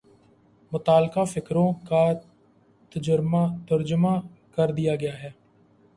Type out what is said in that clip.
متعلقہ فقروں کا ترجمہ کر دیا گیا ہے